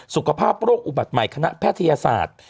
สุขภาพโรคอุบัติใหม่คณะแพทยศาสตร์